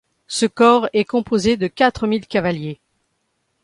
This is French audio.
Ce corps est composé de quatre mille cavaliers.